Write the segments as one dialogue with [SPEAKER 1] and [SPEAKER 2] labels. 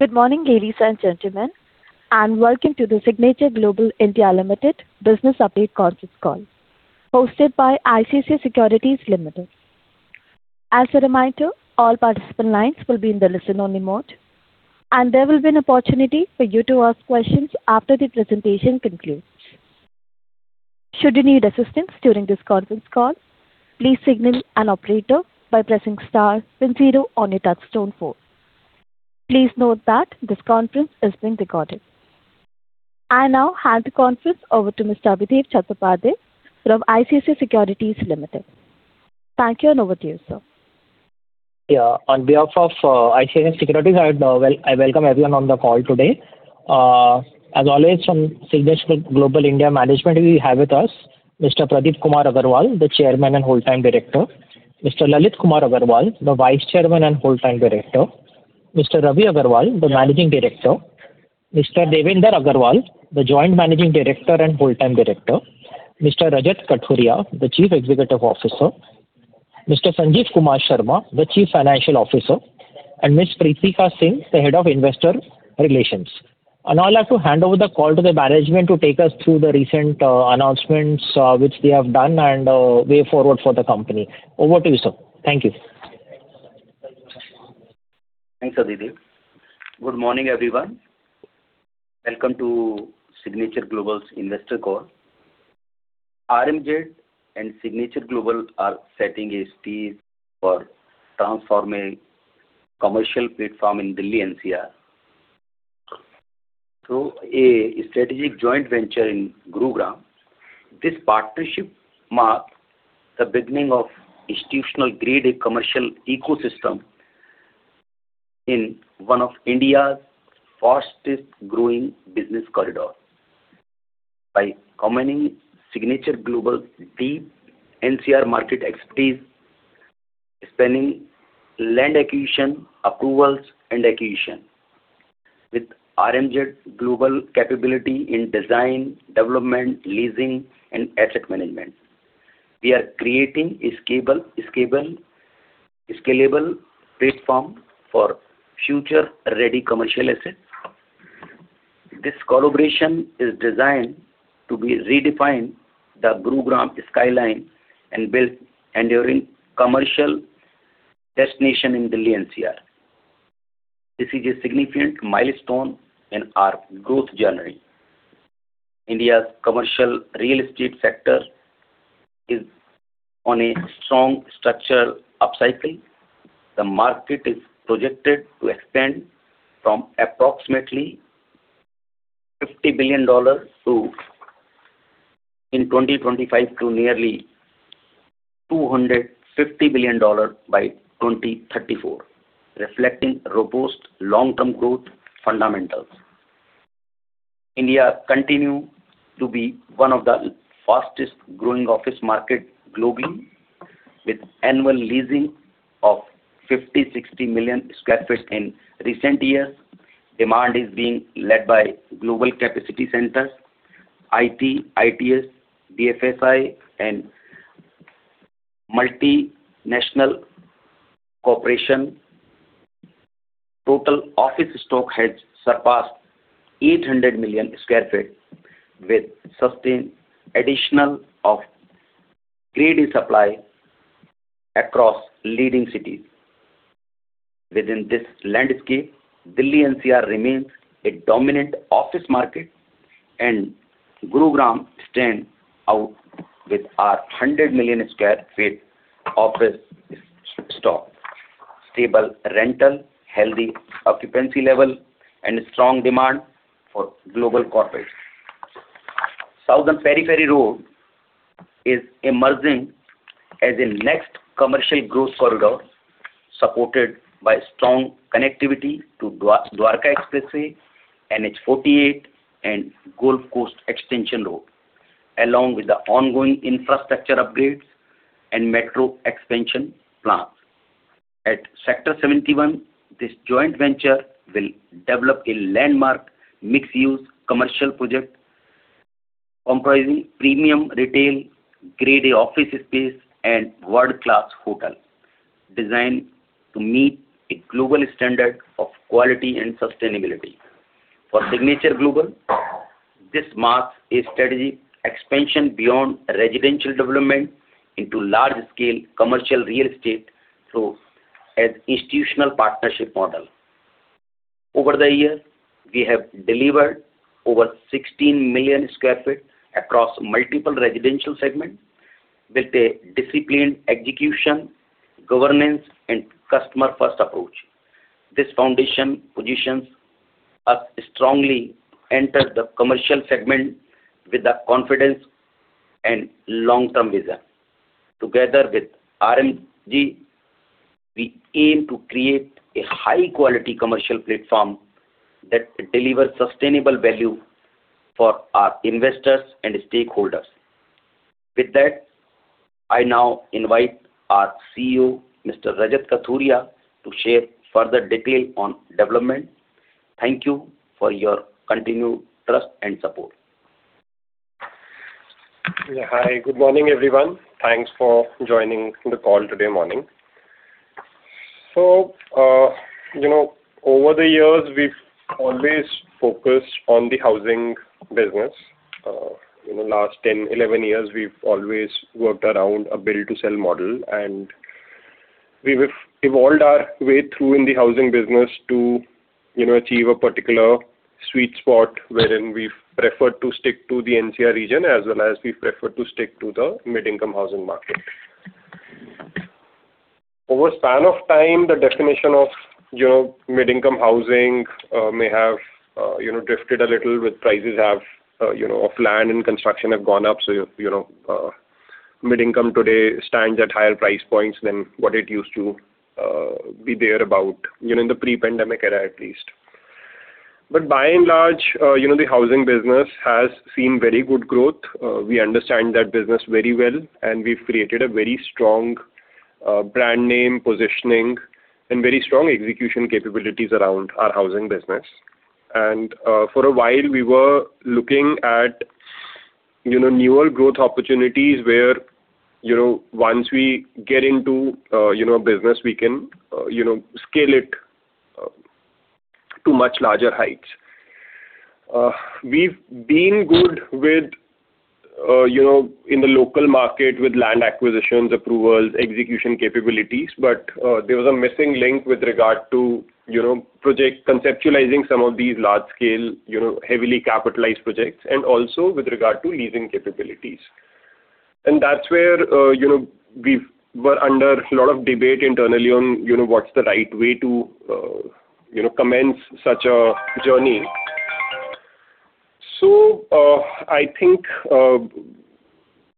[SPEAKER 1] Good morning, ladies and gentlemen, and welcome to the Signatureglobal (India) Limited business update conference call hosted by ICICI Securities Limited. As a reminder, all participant lines will be in the listen-only mode, and there will be an opportunity for you to ask questions after the presentation concludes. Should you need assistance during this conference call, please signal an operator by pressing star then zero on your touchtone phone. Please note that this conference is being recorded. I now hand the conference over to Mr. Abhishek Chattopadhyay from ICICI Securities Limited. Thank you, and over to you, sir.
[SPEAKER 2] Yeah. On behalf of ICICI Securities, I welcome everyone on the call today. As always, from Signature Global India management, we have with us Mr. Pradeep Kumar Aggarwal, the Chairman and Full-Time Director; Mr. Lalit Kumar Aggarwal, the Vice Chairman and Full-Time Director; Mr. Ravi Aggarwal, the Managing Director; Mr. Devender Aggarwal, the Joint Managing Director and Full-Time Director; Mr. Rajat Kathuria, the Chief Executive Officer; Mr. Sanjeev Kumar Sharma, the Chief Financial Officer; and Miss Preetika Singh, the Head of Investor Relations. Now I'll have to hand over the call to the management to take us through the recent announcements, which they have done and way forward for the company. Over to you, sir. Thank you.
[SPEAKER 3] Thanks, Abhishek. Good morning, everyone. Welcome to Signature Global's Investor Call. RMZ and Signature Global are setting a stage for transforming commercial platform in Delhi NCR. Through a strategic joint venture in Gurugram, this partnership marks the beginning of institutional Grade A commercial ecosystem in one of India's fastest growing business corridor. By combining Signature Global deep NCR market expertise, spanning land acquisition, approvals, and acquisition, with RMZ global capability in design, development, leasing, and asset management, we are creating a scalable, scalable, scalable platform for future-ready commercial assets. This collaboration is designed to be redefine the Gurugram skyline and build enduring commercial destination in Delhi NCR. This is a significant milestone in our growth journey. India's commercial real estate sector is on a strong structural upcycle. The market is projected to expand from approximately $50 billion to... in 2025 to nearly $250 billion by 2034, reflecting robust long-term growth fundamentals. India continue to be one of the fastest growing office market globally, with annual leasing of 50-60 million sq ft in recent years. Demand is being led by global capacity centers, IT, ITeS, BFSI, and multinational corporation. Total office stock has surpassed 800 million sq ft, with sustained additional of Grade A supply across leading cities. Within this landscape, Delhi NCR remains a dominant office market, and Gurugram stands out with a 100 million sq ft office stock, stable rental, healthy occupancy level, and strong demand for global corporates. Southern Peripheral Road is emerging as a next commercial growth corridor, supported by strong connectivity to Dwarka Expressway, NH 48, and Golf Course Extension Road, along with the ongoing infrastructure upgrades and metro expansion plans. At Sector 71, this joint venture will develop a landmark mixed-use commercial project comprising premium retail, Grade A office space, and world-class hotel, designed to meet a global standard of quality and sustainability. For Signature Global, this marks a strategic expansion beyond residential development into large-scale commercial real estate through an institutional partnership model. Over the years, we have delivered over 16 million sq ft across multiple residential segments with a disciplined execution, governance, and customer-first approach. This foundation positions us strongly enter the commercial segment with the confidence and long-term vision. Together with RMZ, we aim to create a high-quality commercial platform that delivers sustainable value for our investors and stakeholders. With that, I now invite our CEO, Mr. Rajat Kathuria, to share further detail on development. Thank you for your continued trust and support....
[SPEAKER 4] Yeah. Hi, good morning, everyone. Thanks for joining the call today morning. So, you know, over the years, we've always focused on the housing business. In the last 10, 11 years, we've always worked around a build-to-sell model, and we've evolved our way through in the housing business to, you know, achieve a particular sweet spot, wherein we've preferred to stick to the NCR region as well as we prefer to stick to the mid-income housing market. Over span of time, the definition of, you know, mid-income housing, may have, you know, drifted a little with prices have, you know, of land and construction have gone up, so, you know, mid-income today stands at higher price points than what it used to, be there about, you know, in the pre-pandemic era, at least. But by and large, you know, the housing business has seen very good growth. We understand that business very well, and we've created a very strong, brand name, positioning, and very strong execution capabilities around our housing business. And, for a while, we were looking at, you know, newer growth opportunities where, you know, once we get into, you know, business, we can, you know, scale it, to much larger heights. We've been good with, you know, in the local market with land acquisitions, approvals, execution capabilities, but, there was a missing link with regard to, you know, projects conceptualizing some of these large scale, you know, heavily capitalized projects, and also with regard to leasing capabilities. That's where, you know, we've were under a lot of debate internally on, you know, what's the right way to, you know, commence such a journey. So, I think,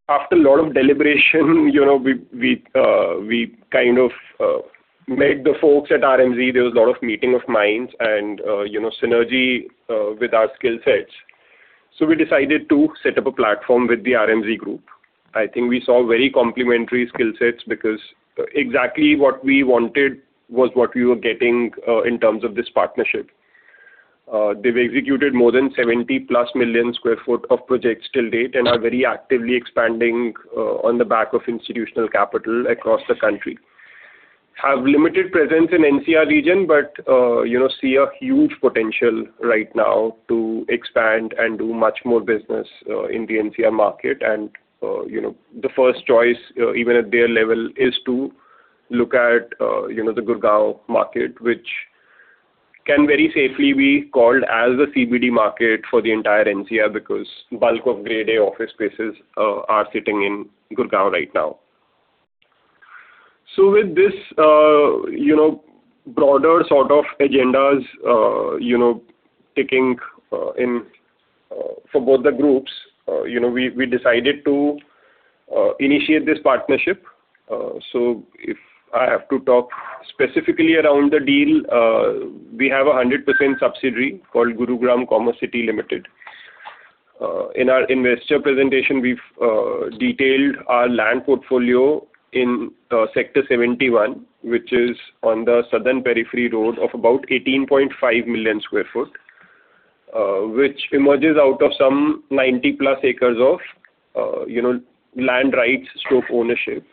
[SPEAKER 4] after a lot of deliberation, you know, we kind of met the folks at RMZ. There was a lot of meeting of minds and, you know, synergy with our skill sets. So we decided to set up a platform with the RMZ Group. I think we saw very complementary skill sets, because exactly what we wanted was what we were getting in terms of this partnership. They've executed more than 70+ million sq ft of projects till date and are very actively expanding on the back of institutional capital across the country. Have limited presence in NCR region, but, you know, see a huge potential right now to expand and do much more business, in the NCR market. You know, the first choice, even at their level, is to look at, you know, the Gurugram market, which can very safely be called as the CBD market for the entire NCR, because bulk of Grade A office spaces are sitting in Gurugram right now. So with this, you know, broader sort of agendas, you know, taking, in, for both the groups, you know, we, we decided to initiate this partnership. So if I have to talk specifically around the deal, we have a 100% subsidiary called Gurugram Commercity Private Limited. In our investor presentation, we've detailed our land portfolio in Sector 71, which is on the Southern Periphery Road of about 18.5 million sq ft, which emerges out of some 90+ acres of, you know, land rights/ownership.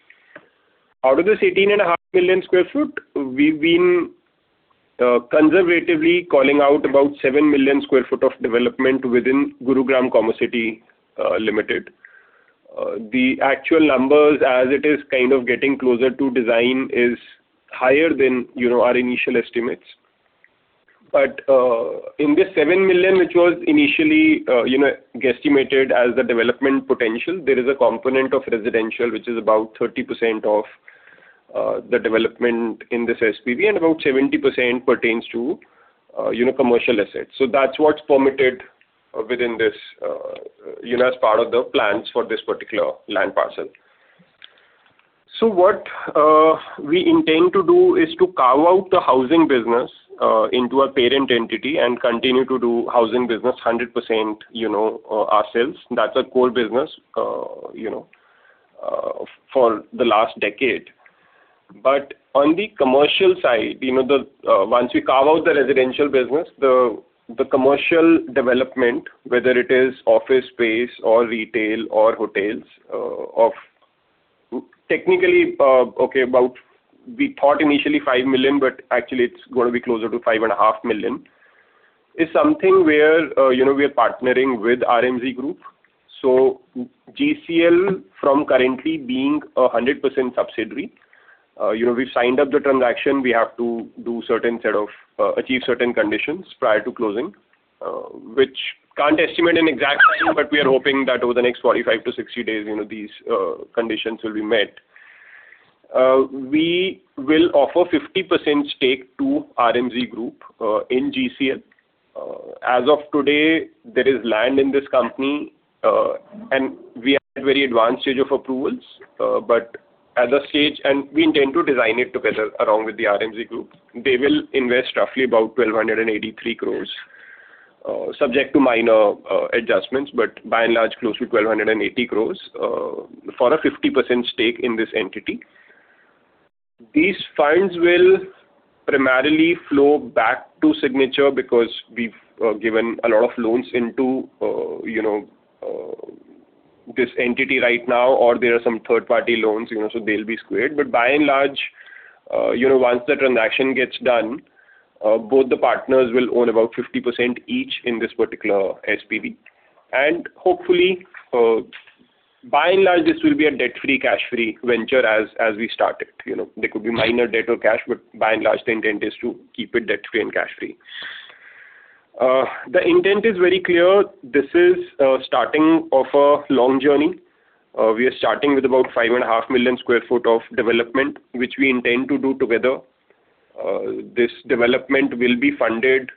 [SPEAKER 4] Out of this 18.5 million sq ft, we've been conservatively calling out about 7 million sq ft of development within Gurugram Commercity Private Limited. The actual numbers, as it is kind of getting closer to design, is higher than, you know, our initial estimates. But in this 7 million, which was initially, you know, guesstimated as the development potential, there is a component of residential which is about 30% of the development in this SPV, and about 70% pertains to, you know, commercial assets. So that's what's permitted within this, you know, as part of the plans for this particular land parcel. So what we intend to do is to carve out the housing business into a parent entity and continue to do housing business 100%, you know, ourselves. That's our core business, you know, for the last decade. But on the commercial side, you know, the once we carve out the residential business, the commercial development, whether it is office space or retail or hotels, of. Technically, okay, about, we thought initially 5 million, but actually it's going to be closer to 5.5 million, is something where, you know, we are partnering with RMZ Group. So GCL, from currently being a 100% subsidiary, you know, we've signed up the transaction. We have to do certain set of, achieve certain conditions prior to closing, which can't estimate an exact time, but we are hoping that over the next 45-60 days, you know, these, conditions will be met. We will offer 50% stake to RMZ Group, in GCL. As of today, there is land in this company, and we are at very advanced stage of approvals, but at the stage and we intend to design it together along with the RMZ Group. They will invest roughly about 1,283 crore, subject to minor, adjustments, but by and large, close to 1,280 crore, for a 50% stake in this entity. These funds will primarily flow back to Signature because we've given a lot of loans into, you know, this entity right now, or there are some third-party loans, you know, so they'll be squared. But by and large, you know, once the transaction gets done, both the partners will own about 50% each in this particular SPV. And hopefully, by and large, this will be a debt-free, cash-free venture as we start it. You know, there could be minor debt or cash, but by and large, the intent is to keep it debt-free and cash-free. The intent is very clear. This is starting of a long journey. We are starting with about 5.5 million sq ft of development, which we intend to do together. This development will be funded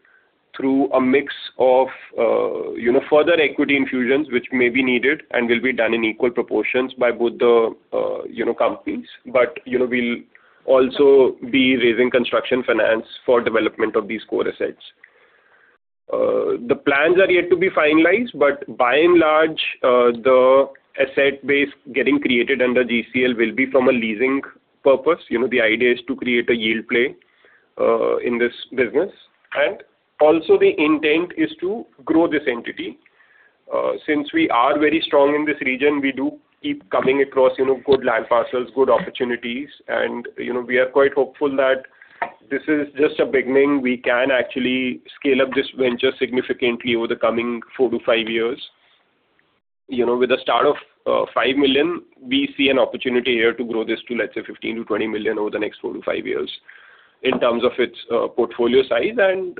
[SPEAKER 4] through a mix of, you know, further equity infusions, which may be needed and will be done in equal proportions by both the, you know, companies. But, you know, we'll also be raising construction finance for development of these core assets. The plans are yet to be finalized, but by and large, the asset base getting created under GCL will be from a leasing purpose. You know, the idea is to create a yield play, in this business, and also the intent is to grow this entity. Since we are very strong in this region, we do keep coming across, you know, good land parcels, good opportunities, and, you know, we are quite hopeful that this is just a beginning. We can actually scale up this venture significantly over the coming four to five years. You know, with a start of, 5 million, we see an opportunity here to grow this to, let's say, 15-20 million over the next four to five years in terms of its, portfolio size. And,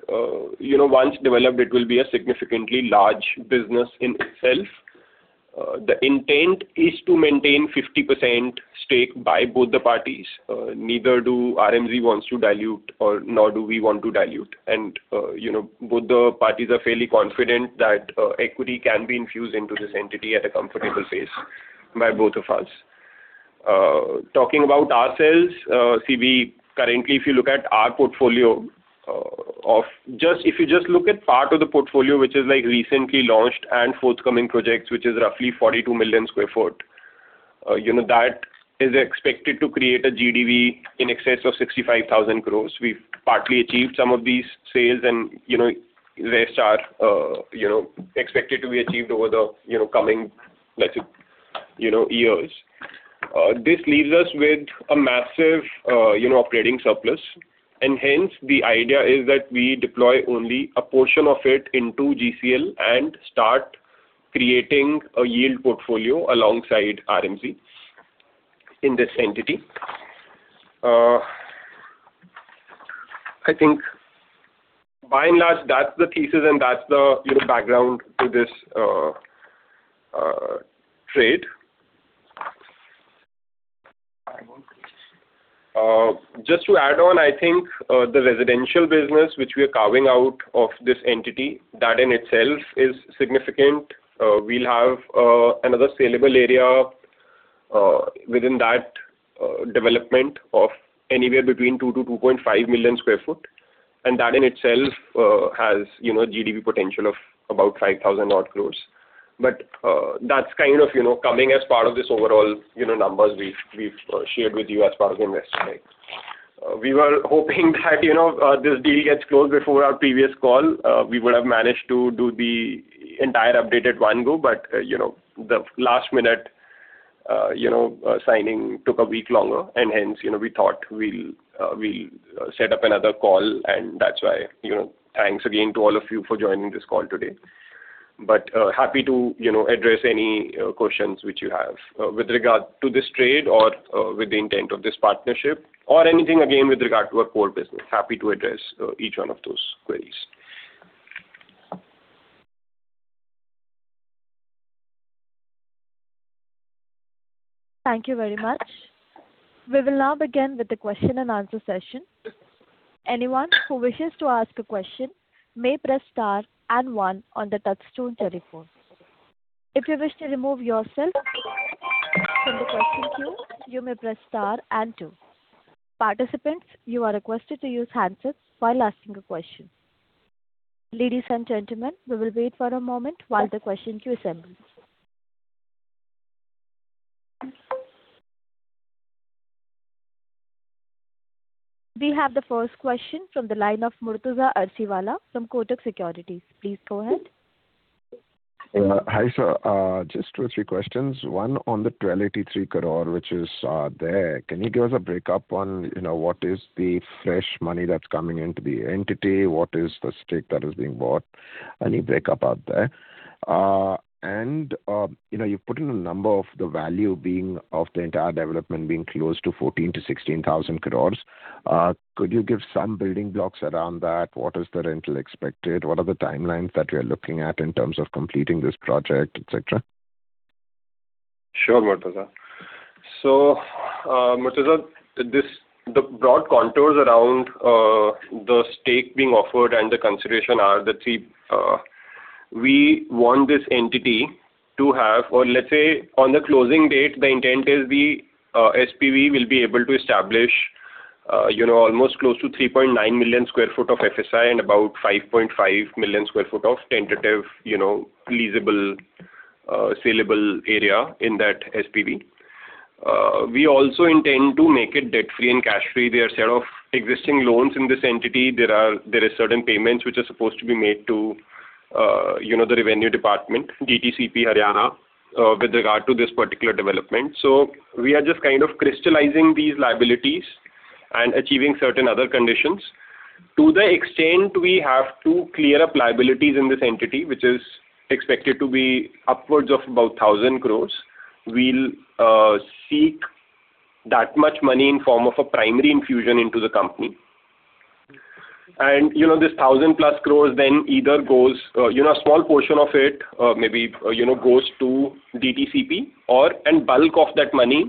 [SPEAKER 4] you know, once developed, it will be a significantly large business in itself. The intent is to maintain 50% stake by both the parties. Neither do RMZ wants to dilute or nor do we want to dilute. And, you know, both the parties are fairly confident that, equity can be infused into this entity at a comfortable pace by both of us. Talking about ourselves, see, we currently, if you look at our portfolio, of just, if you just look at part of the portfolio, which is, like, recently launched and forthcoming projects, which is roughly 42 million sq ft, you know, that is expected to create a GDV in excess of 65,000 crore. We've partly achieved some of these sales and, you know, rest are, you know, expected to be achieved over the, you know, coming, let's say, you know, years. This leaves us with a massive, you know, operating surplus, and hence, the idea is that we deploy only a portion of it into GCL and start creating a yield portfolio alongside RMZ in this entity. I think by and large, that's the thesis and that's the, you know, background to this, trade. Just to add on, I think, the residential business, which we are carving out of this entity, that in itself is significant. We'll have, another saleable area, within that, development of anywhere between 2-2.5 million sq ft, and that in itself, has, you know, GDV potential of about 5,000 crore. But, that's kind of, you know, coming as part of this overall, you know, numbers we've shared with you as part of Investor Day. We were hoping that, you know, this deal gets closed before our previous call. We would have managed to do the entire update at one go, but, you know, the last minute, you know, signing took a week longer, and hence, you know, we thought we'll, we'll set up another call, and that's why. You know, thanks again to all of you for joining this call today. But, happy to, you know, address any, questions which you have, with regard to this trade or, with the intent of this partnership or anything, again, with regard to our core business. Happy to address, each one of those queries.
[SPEAKER 1] Thank you very much. We will now begin with the question and answer session. Anyone who wishes to ask a question may press star and one on the touchtone telephone. If you wish to remove yourself from the question queue, you may press star and two. Participants, you are requested to use handsets while asking a question. Ladies and gentlemen, we will wait for a moment while the question queue assembles. We have the first question from the line of Murtuza Arsiwalla from Kotak Securities. Please go ahead.
[SPEAKER 5] Hi, sir. Just 2-3 questions. One, on the 1,283 crore, which is there, can you give us a break up on, you know, what is the fresh money that's coming into the entity? What is the stake that is being bought? Any break up out there. And, you know, you've put in a number of the value being of the entire development being close to 14,000 crore-16,000 crore. Could you give some building blocks around that? What is the rental expected? What are the timelines that you're looking at in terms of completing this project, et cetera?
[SPEAKER 4] Sure, Murtuza. So, Murtuza, this, the broad contours around the stake being offered and the consideration are the three. We want this entity to have or let's say, on the closing date, the intent is the SPV will be able to establish, you know, almost close to 3.9 million sq ft of FSI and about 5.5 million sq ft of tentative, you know, saleable area in that SPV. We also intend to make it debt-free and cash-free. There are set of existing loans in this entity. There are, there are certain payments which are supposed to be made to, you know, the revenue department, DTCP, Haryana, with regard to this particular development. So we are just kind of crystallizing these liabilities and achieving certain other conditions. To the extent we have to clear up liabilities in this entity, which is expected to be upwards of about 1,000 crore, we'll seek that much money in form of a primary infusion into the company. You know, this 1,000+ crore then either goes, you know, a small portion of it, maybe, you know, goes to DTCP, or, and bulk of that money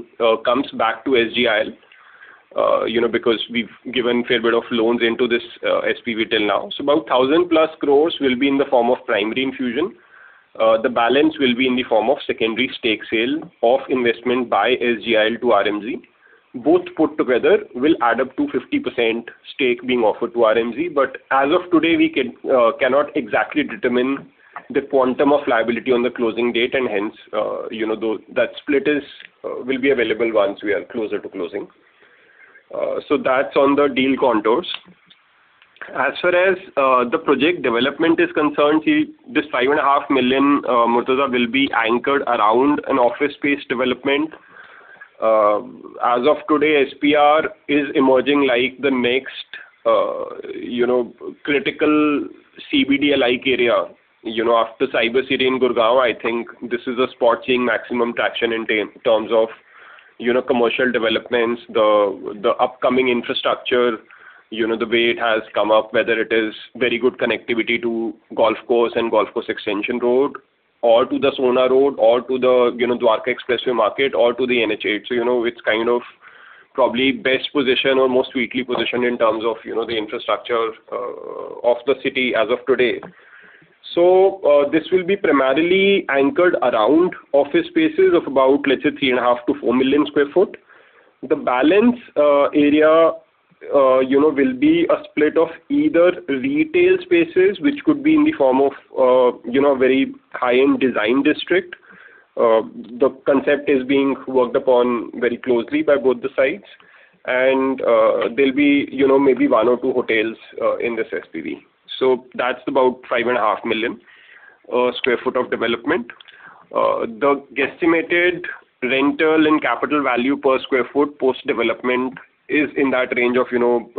[SPEAKER 4] comes back to SGIL, you know, because we've given fair bit of loans into this SPV till now. About 1,000+ crore will be in the form of primary infusion. The balance will be in the form of secondary stake sale of investment by SGIL to RMZ. Both put together will add up to 50% stake being offered to RMZ, but as of today, we cannot exactly determine the quantum of liability on the closing date, and hence, you know, that split will be available once we are closer to closing. So that's on the deal contours. As far as the project development is concerned, see, this 5.5 million, Murtuza, will be anchored around an office space development. As of today, SPR is emerging like the next, you know, critical CBD-alike area. You know, after Cyber City in Gurugram, I think this is a spot seeing maximum traction in terms of, you know, commercial developments, the, the upcoming infrastructure, you know, the way it has come up, whether it is very good connectivity to Golf Course and Golf Course Extension Road, or to the Sohna Road, or to the, you know, Dwarka Expressway market, or to the NH 48. So, you know, it's kind of probably best position or most well position in terms of, you know, the infrastructure of the city as of today. So, this will be primarily anchored around office spaces of about, let's say, 3.5-4 million sq ft. The balance area, you know, will be a split of either retail spaces, which could be in the form of, you know, very high-end design district. The concept is being worked upon very closely by both the sides. There'll be, you know, maybe one or two hotels in this SPV. So that's about 5.5 million sq ft of development. The guesstimated rental and capital value per sq ft, post-development, is in that range of, you know,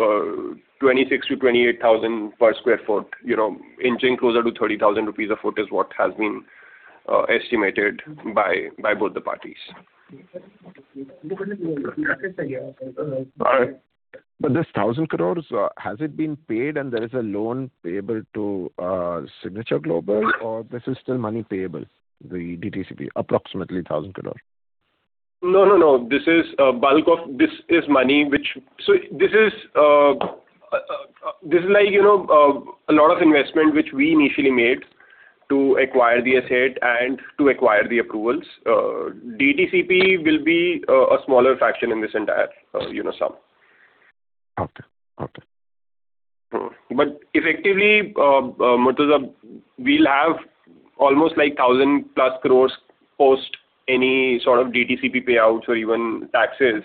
[SPEAKER 4] 26,000-28,000 per sq ft. You know, inching closer to 30,000 rupees a sq ft is what has been estimated by both the parties.
[SPEAKER 5] But this 1,000 crore, has it been paid and there is a loan payable to Signature Global, or this is still money payable, the DTCP, approximately 1,000 crore?
[SPEAKER 4] No, no, no. This is money which... So this is, like, you know, a lot of investment which we initially made to acquire the asset and to acquire the approvals. DTCP will be a smaller fraction in this entire, you know, sum.
[SPEAKER 5] Okay. Okay.
[SPEAKER 4] But effectively, Murtuza, we'll have almost like 1,000+ crore, post any sort of DTCP payouts or even taxes,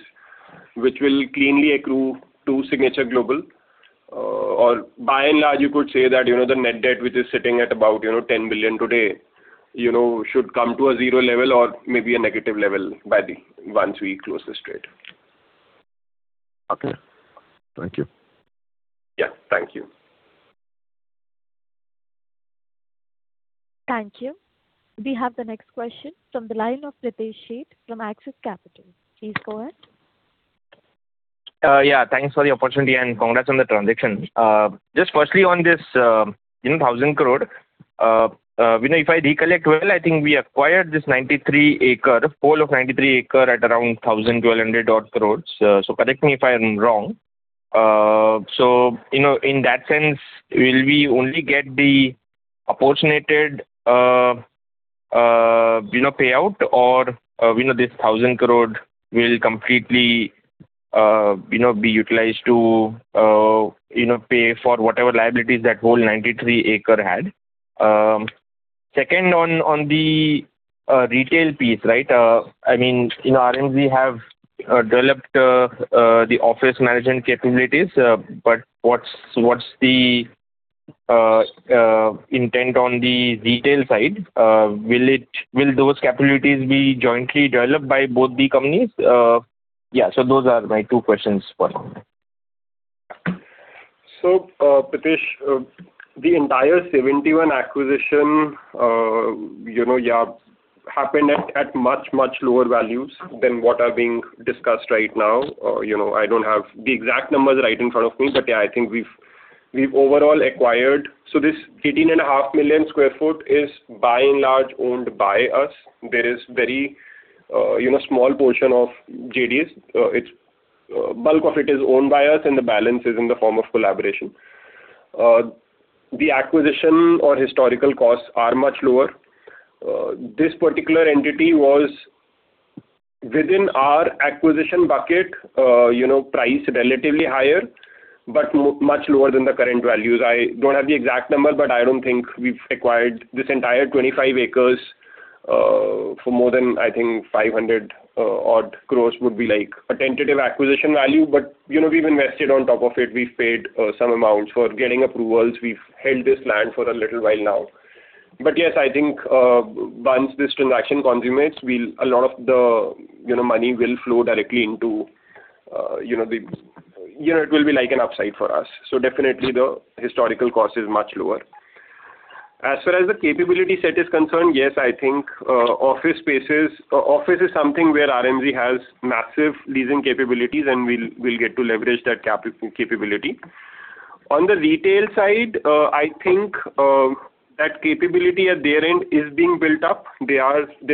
[SPEAKER 4] which will cleanly accrue to Signature Global. Or by and large, you could say that, you know, the net debt, which is sitting at about, you know, 10 billion today, you know, should come to a zero level or maybe a negative level by the... Once we close this trade.
[SPEAKER 5] Okay. Thank you.
[SPEAKER 4] Yeah. Thank you.
[SPEAKER 1] Thank you. We have the next question from the line of Pritesh Sheth from Axis Capital. Please go ahead.
[SPEAKER 6] Yeah, thanks for the opportunity, and congrats on the transaction. Just firstly, on this, you know, 1,000 crore, you know, if I recollect well, I think we acquired this 93-acre, whole of 93-acre at around 1,000-1,200 odd crores. So correct me if I'm wrong. So, you know, in that sense, will we only get the apportioned, you know, payout or, you know, this 1,000 crore will completely, you know, be utilized to, you know, pay for whatever liabilities that whole 93-acre had? Second on, on the, retail piece, right? I mean, you know, RMZ have developed, the office management capabilities, but what's, what's the, intent on the retail side? Will it - will those capabilities be jointly developed by both the companies? Yeah, so those are my two questions first.
[SPEAKER 4] Pritesh, the entire Sector 71 acquisition, you know, yeah, happened at much lower values than what are being discussed right now. You know, I don't have the exact numbers right in front of me, but yeah, I think we've overall acquired... So this 13.5 million sq ft is, by and large, owned by us. There is very, you know, small portion of JDs. It's bulk of it is owned by us, and the balance is in the form of collaboration. The acquisition or historical costs are much lower. This particular entity was... within our acquisition bucket, you know, price relatively higher, but much lower than the current values. I don't have the exact number, but I don't think we've acquired this entire 25 acres for more than I think 500 odd crores would be like a tentative acquisition value. But, you know, we've invested on top of it. We've paid some amounts for getting approvals. We've held this land for a little while now. But yes, I think once this transaction consummates, we'll, a lot of the, you know, money will flow directly into, you know, the. You know, it will be like an upside for us. So definitely the historical cost is much lower. As far as the capability set is concerned, yes, I think office spaces, office is something where RMZ has massive leasing capabilities, and we'll, we'll get to leverage that capability. On the retail side, I think, that capability at their end is being built up. They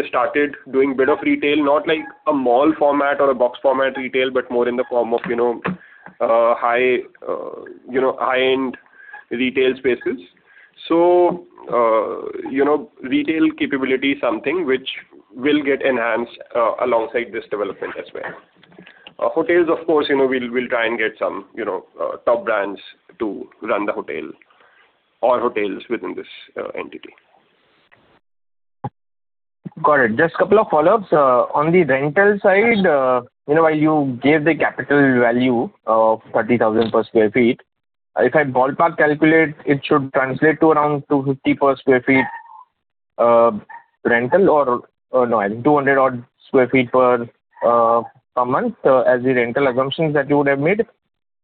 [SPEAKER 4] started doing bit of retail, not like a mall format or a box format retail, but more in the form of, you know, high, you know, high-end retail spaces. So, you know, retail capability is something which will get enhanced, alongside this development as well. Hotels, of course, you know, we'll, we'll try and get some, you know, top brands to run the hotel or hotels within this, entity.
[SPEAKER 6] Got it. Just a couple of follow-ups. On the rental side, you know, while you gave the capital value of 30,000 per sq ft, if I ballpark calculate, it should translate to around 250 per sq ft rental or, no, I think 200-odd per sq ft per month as the rental assumptions that you would have made.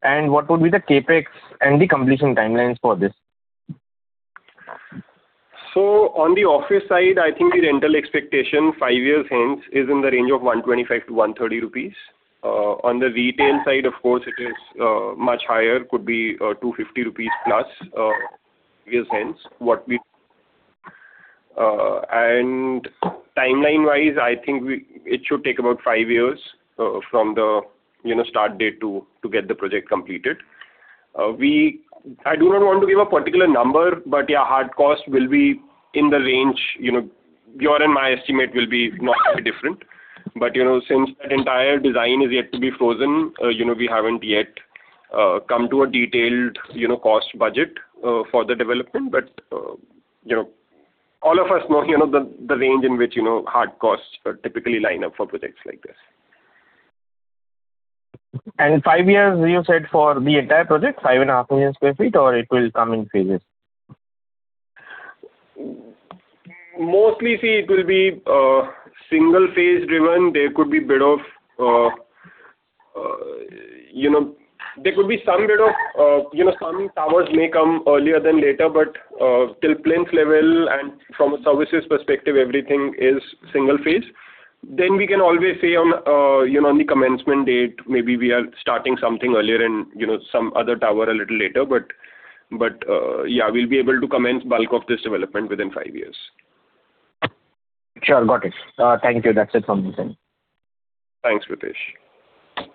[SPEAKER 6] What would be the CapEx and the completion timelines for this?
[SPEAKER 4] So on the office side, I think the rental expectation 5 years hence is in the range of 125-130 rupees. On the retail side, of course, it is much higher, could be 250+ rupees years hence, what we... And timeline-wise, I think we, it should take about 5 years from the, you know, start date to get the project completed. I do not want to give a particular number, but, yeah, hard cost will be in the range, you know, your and my estimate will be not very different. But, you know, since that entire design is yet to be frozen, you know, we haven't yet come to a detailed, you know, cost budget for the development. You know, all of us know, you know, the range in which, you know, hard costs typically line up for projects like this.
[SPEAKER 6] 5 years, you said, for the entire project, 5.5 million sq ft, or it will come in phases?
[SPEAKER 4] Mostly, see, it will be single phase driven. There could be bit of, you know, there could be some bit of, you know, some towers may come earlier than later, but till plinth level and from a services perspective, everything is single phase. Then we can always say on, you know, on the commencement date, maybe we are starting something earlier and, you know, some other tower a little later, but, but, yeah, we'll be able to commence bulk of this development within five years.
[SPEAKER 6] Sure, got it. Thank you. That's it from my end.
[SPEAKER 4] Thanks, Ritesh.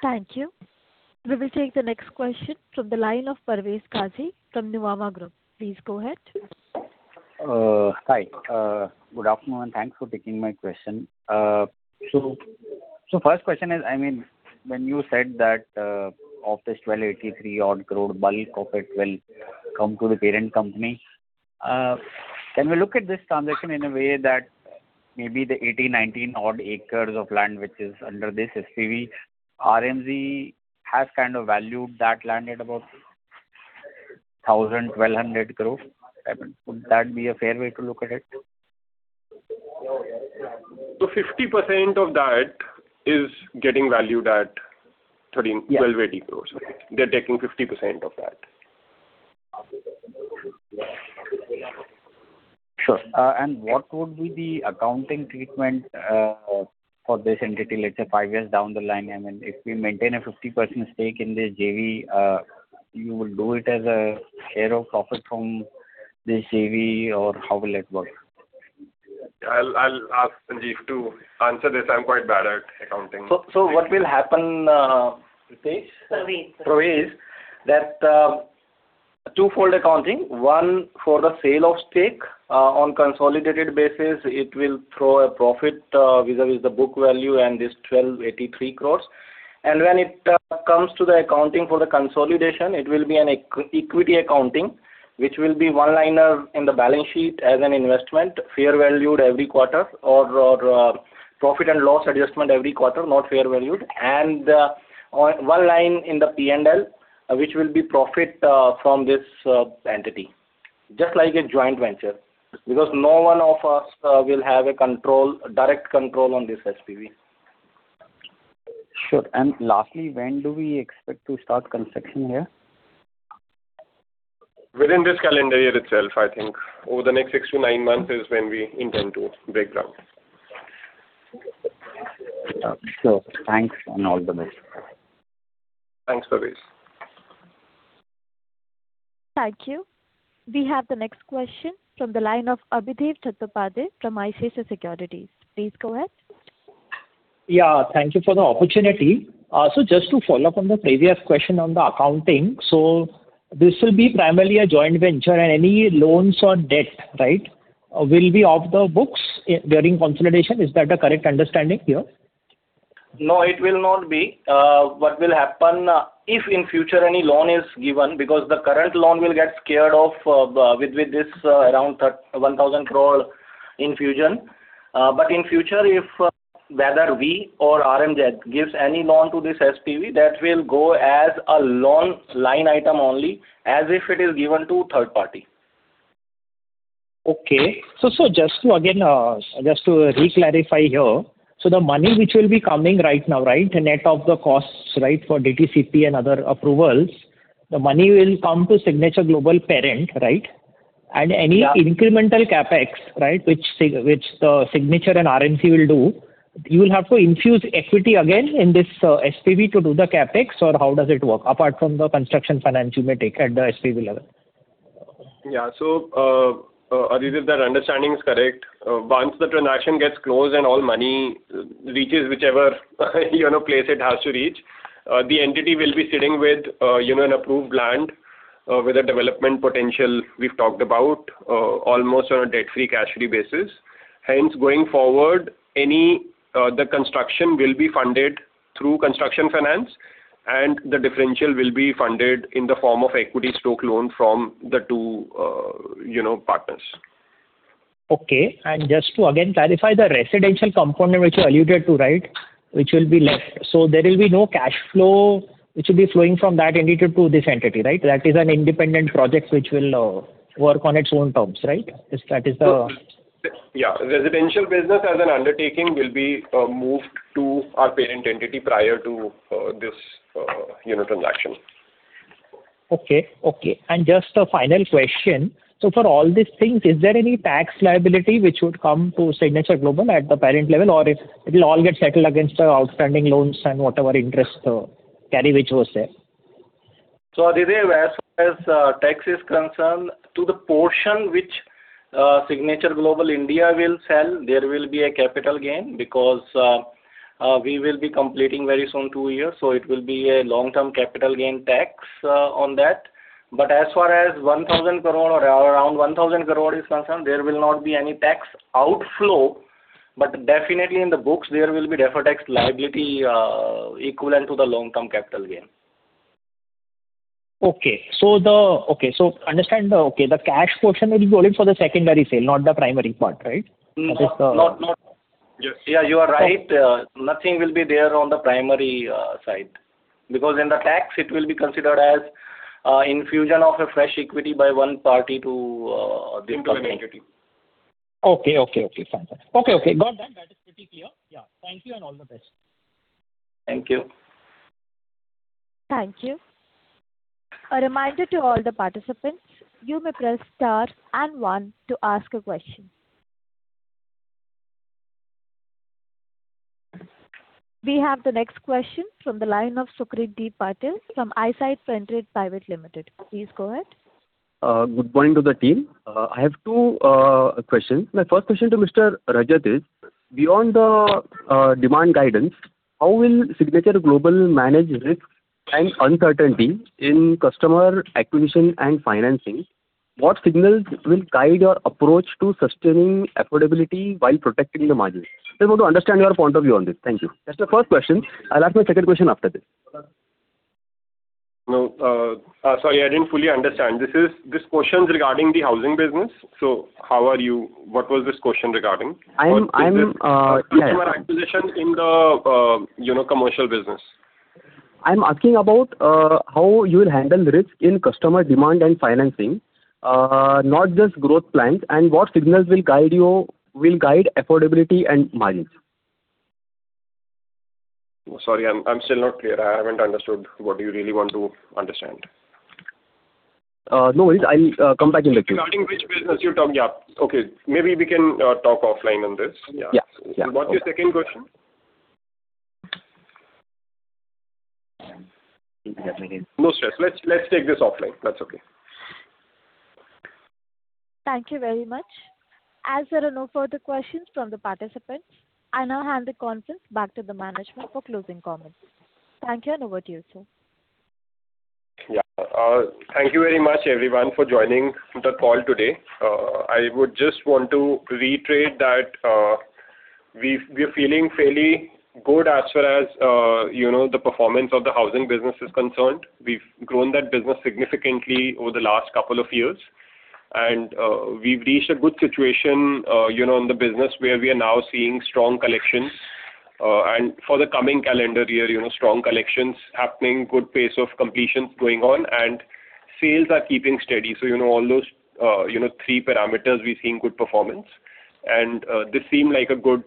[SPEAKER 1] Thank you. We will take the next question from the line of Parvez Qazi from Nuvama Group. Please go ahead.
[SPEAKER 7] Hi, good afternoon, and thanks for taking my question. So, first question is, I mean, when you said that, of this 1,283 odd crore, bulk of it will come to the parent company, can we look at this transaction in a way that maybe the 80-90 odd acres of land, which is under this SPV, RMZ has kind of valued that land at about 1,000 crore-1,200 crore? I mean, would that be a fair way to look at it?
[SPEAKER 4] So 50% of that is getting valued at 1,312.80 crore. They're taking 50% of that.
[SPEAKER 7] Sure. And what would be the accounting treatment for this entity, let's say, five years down the line? I mean, if we maintain a 50% stake in this JV, you will do it as a share of profit from this JV, or how will it work?
[SPEAKER 4] I'll ask Sanjeev to answer this. I'm quite bad at accounting.
[SPEAKER 8] So, what will happen, Ritesh?
[SPEAKER 1] Parvez.
[SPEAKER 8] Parvez, that twofold accounting. One, for the sale of stake on consolidated basis, it will throw a profit vis-a-vis the book value and this 1,283 crores. When it comes to the accounting for the consolidation, it will be an equity accounting, which will be one liner in the balance sheet as an investment, fair valued every quarter or profit and loss adjustment every quarter, not fair valued. On one line in the P&L, which will be profit from this entity. Just like a joint venture, because no one of us will have a control, direct control on this SPV.
[SPEAKER 7] Sure. Lastly, when do we expect to start construction here?
[SPEAKER 4] Within this calendar year itself, I think. Over the next 6-9 months is when we intend to break ground.
[SPEAKER 7] Sure. Thanks and all the best.
[SPEAKER 4] Thanks, Parvez.
[SPEAKER 1] Thank you. We have the next question from the line of Abhishek Chattopadhyay from ICICI Securities. Please go ahead....
[SPEAKER 2] Yeah, thank you for the opportunity. So just to follow up on the previous question on the accounting, so this will be primarily a joint venture, and any loans or debt, right, will be off the books during consolidation? Is that a correct understanding here?
[SPEAKER 8] No, it will not be. What will happen, if in future any loan is given, because the current loan will get cleared off with this around 1,000 crore infusion. But in future, if whether we or RMZ gives any loan to this SPV, that will go as a loan line item only, as if it is given to third party.
[SPEAKER 2] Okay. So, so just to again just to reclarify here, so the money which will be coming right now, right, for DTCP and other approvals, the money will come to Signature Global parent, right?
[SPEAKER 8] Yeah.
[SPEAKER 2] Any incremental CapEx, right, which the Signature and RMZ will do, you will have to infuse equity again in this SPV to do the CapEx, or how does it work, apart from the construction finance you may take at the SPV level?
[SPEAKER 4] Yeah. So, Adhidev, that understanding is correct. Once the transaction gets closed and all money reaches whichever, you know, place it has to reach, the entity will be sitting with, you know, an approved land, with a development potential we've talked about, almost on a debt-free cash basis. Hence, going forward, any, the construction will be funded through construction finance, and the differential will be funded in the form of equity stock loan from the two, you know, partners.
[SPEAKER 2] Okay. And just to again clarify the residential component, which you alluded to, right, which will be left. So there will be no cash flow which will be flowing from that entity to this entity, right? That is an independent project which will work on its own terms, right? If that is the-
[SPEAKER 4] Yeah. Residential business as an undertaking will be moved to our parent entity prior to this, you know, transaction.
[SPEAKER 2] Okay. Okay, and just a final question: so for all these things, is there any tax liability which would come to Signature Global at the parent level, or it, it'll all get settled against the outstanding loans and whatever interest, carry which was there?
[SPEAKER 8] So Adhidev, as tax is concerned, to the portion which Signature Global India will sell, there will be a capital gain because we will be completing very soon two years, so it will be a long-term capital gain tax on that. But as far as 1,000 crore or around 1,000 crore is concerned, there will not be any tax outflow, but definitely in the books, there will be deferred tax liability equivalent to the long-term capital gain.
[SPEAKER 2] Okay. So, understand, the cash portion will be only for the secondary sale, not the primary part, right?
[SPEAKER 8] No. Yeah, you are right. Nothing will be there on the primary side. Because in the tax, it will be considered as infusion of a fresh equity by one party to the entity.
[SPEAKER 2] Okay, okay, okay. Fine. Okay, okay, got that. That is pretty clear. Yeah. Thank you, and all the best.
[SPEAKER 8] Thank you.
[SPEAKER 1] Thank you. A reminder to all the participants, you may press Star and One to ask a question. We have the next question from the line of Sucrit D. Patil from ICICI Securities. Please go ahead.
[SPEAKER 9] Good morning to the team. I have two questions. My first question to Mr. Rajat is: beyond the demand guidance, how will Signature Global manage risk and uncertainty in customer acquisition and financing? What signals will guide your approach to sustaining affordability while protecting the margins? Just want to understand your point of view on this. Thank you. That's the first question. I'll ask my second question after this.
[SPEAKER 4] No, sorry, I didn't fully understand. This is, this question is regarding the housing business, so how are you-- What was this question regarding?
[SPEAKER 9] I'm
[SPEAKER 4] Customer acquisition in the, you know, commercial business.
[SPEAKER 9] I'm asking about how you will handle risk in customer demand and financing, not just growth plans, and what signals will guide you, will guide affordability and margins?
[SPEAKER 4] Sorry, I'm still not clear. I haven't understood what do you really want to understand.
[SPEAKER 9] No worries. I'll come back in the queue.
[SPEAKER 4] Regarding which business you're talking... Yeah. Okay, maybe we can talk offline on this. Yeah.
[SPEAKER 9] Yeah. Yeah.
[SPEAKER 4] What's your second question? No stress. Let's, let's take this offline. That's okay.
[SPEAKER 1] Thank you very much. As there are no further questions from the participants, I now hand the conference back to the management for closing comments. Thank you, and over to you, sir.
[SPEAKER 4] Yeah. Thank you very much, everyone, for joining the call today. I would just want to reiterate that we are feeling fairly good as far as you know the performance of the housing business is concerned. We've grown that business significantly over the last couple of years, and we've reached a good situation you know in the business, where we are now seeing strong collections. And for the coming calendar year, you know, strong collections happening, good pace of completions going on, and sales are keeping steady. So, you know, all those you know three parameters, we're seeing good performance. And this seems like a good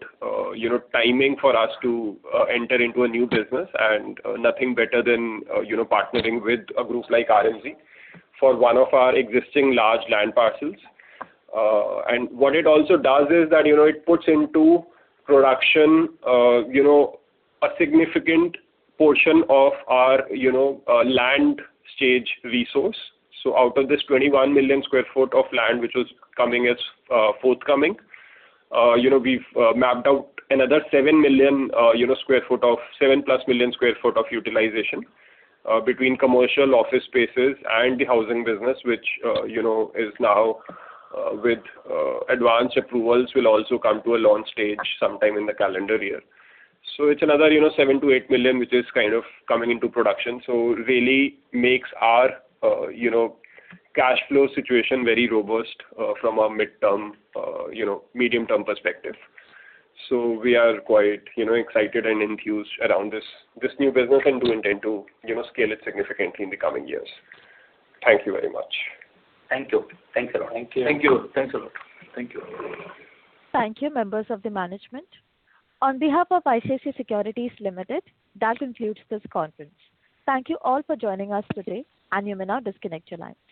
[SPEAKER 4] you know timing for us to enter into a new business, and nothing better than you know partnering with a group like RMZ for one of our existing large land parcels. And what it also does is that, you know, it puts into production, you know, a significant portion of our, you know, land stage resource. So out of this 21 million sq ft of land, which was coming as forthcoming, you know, we've mapped out another 7+ million sq ft of utilization between commercial office spaces and the housing business, which, you know, is now, with advanced approvals, will also come to a launch stage sometime in the calendar year. So it's another, you know, 7 million-8 million, which is kind of coming into production. So really makes our, you know, cash flow situation very robust from a midterm, you know, medium-term perspective. We are quite, you know, excited and enthused around this, this new business and do intend to, you know, scale it significantly in the coming years. Thank you very much.
[SPEAKER 2] Thank you. Thanks a lot.
[SPEAKER 4] Thank you.
[SPEAKER 2] Thank you. Thanks a lot. Thank you.
[SPEAKER 1] Thank you, members of the management. On behalf of ICICI Securities Limited, that concludes this conference. Thank you all for joining us today, and you may now disconnect your lines.